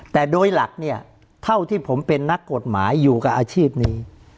แต่โดยหลักเนี่ยเท่าที่ผมเป็นนักกฎหมายอยู่กับอาชีพนี้